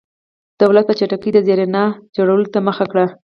دولت په چټکۍ د زېربنا جوړولو ته مخه کړه.